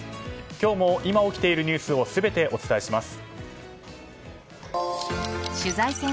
今日も今起きているニュースを全てお伝えします。